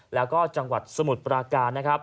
และก็จังหวัดสมุทรปราการ